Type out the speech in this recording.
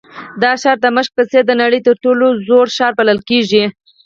دا ښار د دمشق په څېر د نړۍ تر ټولو زوړ ښار بلل کېږي.